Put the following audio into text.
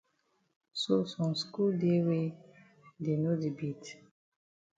So some skul dey wey dey no di beat?